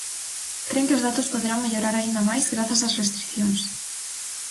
Cren que os datos poderán mellorar aínda máis grazas ás restricións.